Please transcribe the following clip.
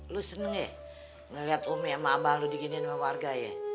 lu seneng ya ngeliat omik sama abah lu diginiin sama warga ya